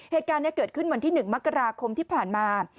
เหตุการณ์นี้เกิดขึ้นวันที่๑มกราคมที่ผ่านมา